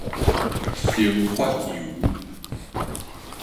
生髮油